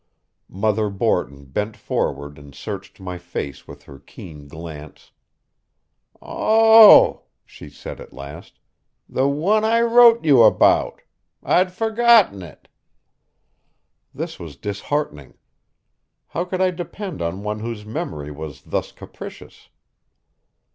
Mother Borton bent forward and searched my face with her keen glance. "Oh," she said at last, "the one I wrote you about. I'd forgotten it." This was disheartening. How could I depend on one whose memory was thus capricious?